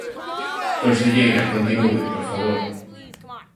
Conselleira, continúe, por favor.